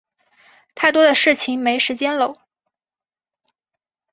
太多的事情没时间搂